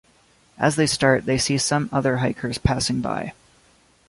As they start, they see some other hikers passing by.